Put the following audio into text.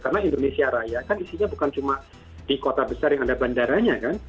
karena indonesia raya kan isinya bukan cuma di kota besar yang ada bandaranya kan